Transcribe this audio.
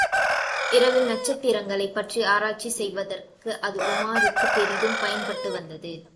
இரவில் நட்சத்திரங்களைப் பற்றி ஆராய்ச்சி செய்வதற்கு, அது உமாருக்குப் பெரிதும் பயன்பட்டு வந்தது.